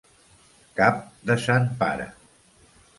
Cap de sant Pare.